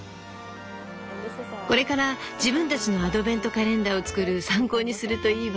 これから自分たちのアドベントカレンダーを作る参考にするといいわ。